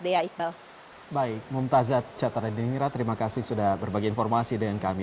baik mumtazat catara diningira terima kasih sudah berbagi informasi dengan kami